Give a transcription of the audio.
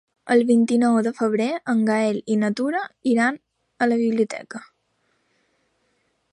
El vint-i-nou de febrer en Gaël i na Tura iran a la biblioteca.